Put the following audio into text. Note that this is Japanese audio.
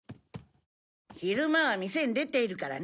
昼間は店に出ているからね。